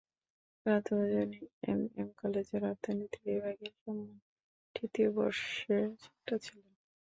তারা দুজনই এমএম কলেজের অর্থনীতি বিভাগের সম্মান তৃতীয় বর্ষে ছাত্র ছিলেন।